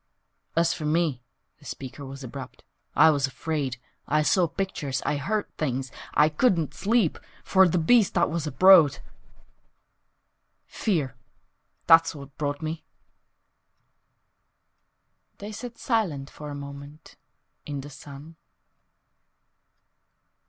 ....... "As for me," the speaker was abrupt, "I was afraid! I saw pictures, I heard things I couldn't sleep For the Beast that was abroad Fear! That's what brought me!" ....... They sat silent for a moment In the sun.